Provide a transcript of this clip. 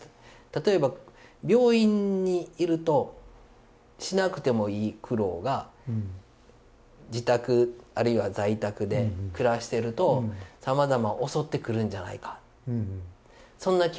例えば病院にいるとしなくてもいい苦労が自宅あるいは在宅で暮らしてるとさまざま襲ってくるんじゃないかそんな気もするんですけども。